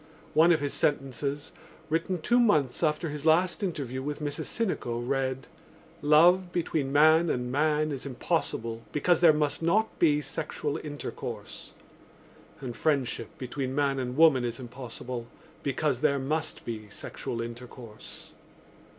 One of his sentences, written two months after his last interview with Mrs Sinico, read: Love between man and man is impossible because there must not be sexual intercourse and friendship between man and woman is impossible because there must be sexual intercourse.